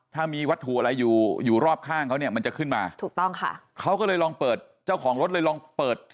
ถ้ามีวัตถุอะไรอยู่อยู่รอบข้างเขาเนี่ยมันจะขึ้นมาถูกต้องค่ะเขาก็เลยลองเปิดเจ้าของรถเลยลองเปิด